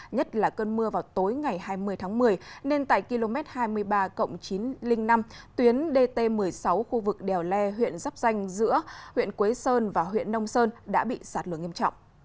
nhất là cơn mưa vào tối ngày hai mươi tháng một mươi nên tại km hai mươi ba chín trăm linh năm tuyến dt một mươi sáu khu vực đèo le huyện giáp danh giữa huyện quế sơn và huyện nông sơn đã bị sạt lửa nghiêm trọng